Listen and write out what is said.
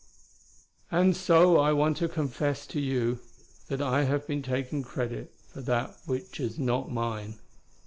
"... and so I want to confess to you that I have been taking credit for that which is not mine.